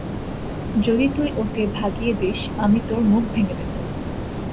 যদি তুই ওকে জাগিয়ে দিস, আমি তোর মুখ ভেঙ্গে দেব।